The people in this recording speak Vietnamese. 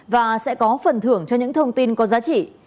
và sẽ có phần thưởng cho những thông tin có giá trị